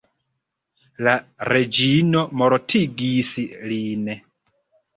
La reĝino mortigis lin.